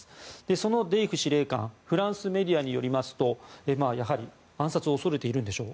そのデイフ司令官フランスメディアによりますとやはり暗殺を恐れているんでしょう。